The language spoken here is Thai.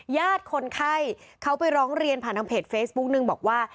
ญาติคนไข้เขาไปร้องเรียนผ่านทางเพจเฟซบุ๊กนึงบอกว่า